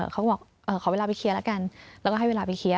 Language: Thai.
เขาก็บอกขอเวลาไปเคลียร์แล้วกันแล้วก็ให้เวลาไปเคลียร์